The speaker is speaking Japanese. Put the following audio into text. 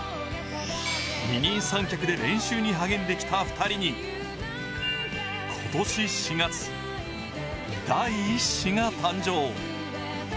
二人三脚で練習に励んできた２人に今年４月、第１子が誕生。